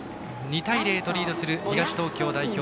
２対０とリードする東東京代表